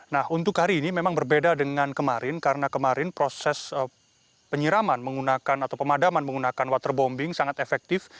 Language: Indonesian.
nah untuk hari ini memang berbeda dengan kemarin karena kemarin proses penyiraman menggunakan atau pemadaman menggunakan waterbombing sangat efektif